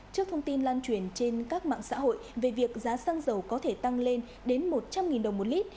trước thông tin lan truyền trên các mạng xã hội về việc giá xăng dầu có thể tăng lên đến một trăm linh đồng một lít